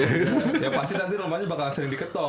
ya pasti nanti rumahnya bakal sering diketok